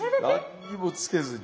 何にもつけずに。